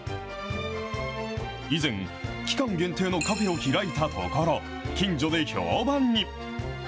以前、期間限定のカフェを開いたところ、近所で評判に。